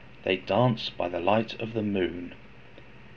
They danced by the light of the moon.